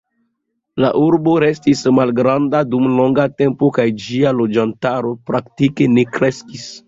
La urbo restis malgranda dum longa tempo kaj ĝia loĝantaro praktike ne kreskis.